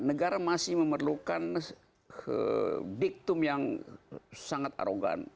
negara masih memerlukan diktum yang sangat arogan